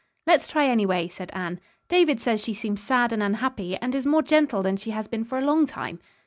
"Let's try, anyway," said Anne. "David says she seems sad and unhappy, and is more gentle than she has been for a long time."